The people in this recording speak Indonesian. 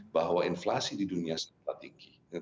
bahwa inflasi di dunia sangat tinggi